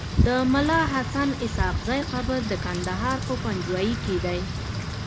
د ملاحسناسحاقزی قبر دکندهار په پنجوايي کیدی